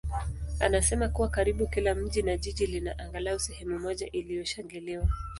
anasema kuwa karibu kila mji na jiji lina angalau sehemu moja iliyoshangiliwa.